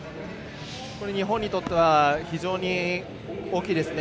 日本にとっては非常に大きいですね。